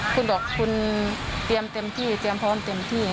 คุณบอกคุณเตรียมเต็มที่เตรียมพร้อมเต็มที่